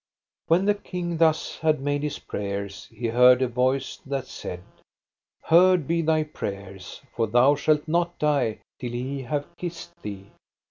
When the king thus had made his prayers he heard a voice that said: Heard be thy prayers, for thou shalt not die till he have kissed thee.